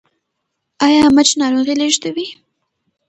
ایا مچ ناروغي لیږدوي؟